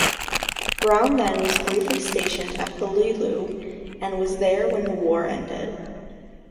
Brown then was briefly stationed at Peleliu and was there when the war ended.